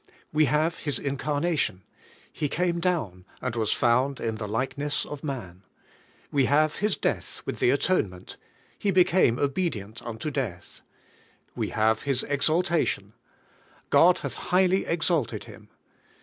We have His incarnation — He came down, and was found in the likeness of man. We have his death with the atonement — He became obedient unto death. We have His exaltation — God hath highly exalted Him.